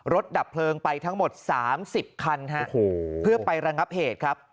ดับเพลิงไปทั้งหมด๓๐คันเพื่อไประงับเหตุครับ